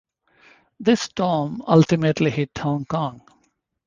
This storm ultimately hit Hong Kong.